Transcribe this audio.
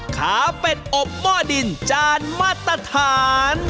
ขาเป็ดอบหม้อดินจานมาตรฐาน